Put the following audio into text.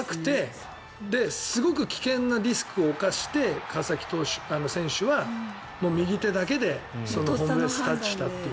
すごく危険なリスクを冒して川崎選手は右手だけでホームベースタッチしたという。